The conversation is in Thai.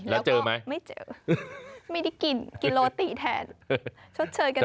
แล้วเจอไหมไม่เจอไม่ได้กินกิโลติแทนชดเชยกันเลย